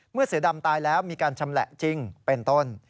เสือดำตายแล้วมีการชำแหละจริงเป็นต้น